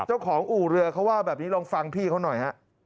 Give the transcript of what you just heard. เจ้าของอู่เรือเขาว่าแบบนี้ลองฟังพี่เขาหน่อย